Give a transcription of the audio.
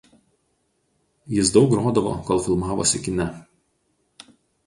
Jis daug grodavo kol filmavosi kine.